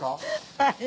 はい。